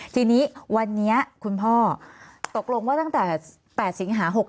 ทีนี้วันนี้คุณพ่อตกลงว่าตั้งแต่๘สิงหา๖๕